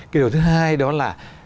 cái điều thứ hai đó là